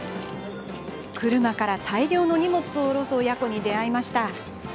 車から大量の荷物を降ろす親子に出会いました。